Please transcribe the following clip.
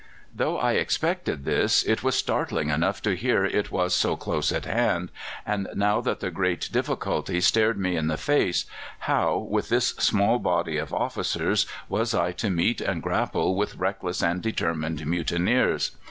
"Though I expected this, it was startling enough to hear it was so close at hand. And now that the great difficulty stared me in the face, how, with this small body of officers, was I to meet and grapple with reckless and determined mutineers?